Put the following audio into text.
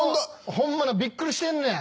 ホンマびっくりしてんねん。